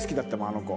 あの子。